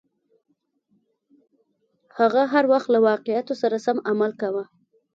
هغه هر وخت له واقعیتونو سره سم عمل کاوه.